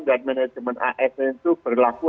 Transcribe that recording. dan manajemen asn itu berlaku